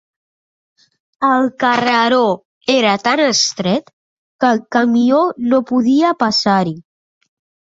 El carreró era tan estret, que el camió no podia passar-hi.